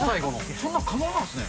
そんな可能なんですね。